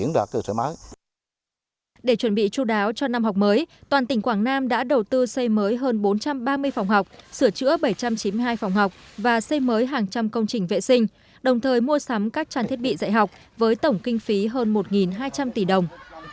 để chuẩn bị chú đáo cho năm học mới toàn tỉnh quảng nam đã đầu tư xây mới hơn bốn trăm ba mươi phòng học sửa chữa bảy trăm chín mươi hai phòng học và xây mới hàng trăm công trình vệ sinh đồng thời mua sắm các trang thiết bị dạy học với tổng kinh phí hơn một hai trăm linh tỷ đồng